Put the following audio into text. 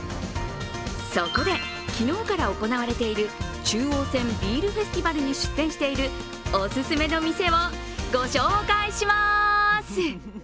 そこで、昨日から行われている中央線ビールフェスティバルに出店しているお勧めの店を御紹介します。